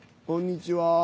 こんにちは。